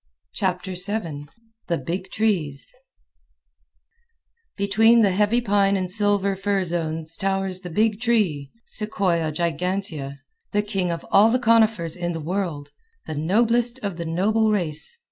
Chapter 7 The Big Trees Between the heavy pine and silver fir zones towers the Big Tree (Sequoia gigantea), the king of all the conifers in the world, "the noblest of the noble race."